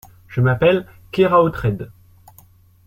Je m’appelle Keraotred.